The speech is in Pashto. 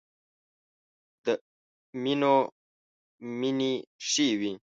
د مینو مینې ښې وې.